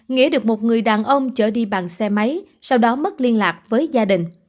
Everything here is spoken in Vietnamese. nghĩa được một người đàn ông chở đi bằng xe máy sau đó mất liên lạc với gia đình